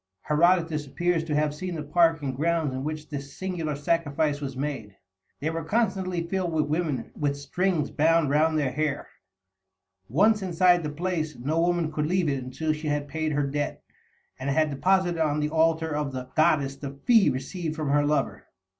Herodotus appears to have seen the park and grounds in which this singular sacrifice was made. They were constantly filled with women with strings bound round their hair. Once inside the place, no woman could leave it until she had paid her debt, and had deposited on the altar of the goddess the fee received from her lover.